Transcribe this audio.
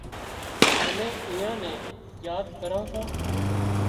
امين ايئان نين ياد ڪران سان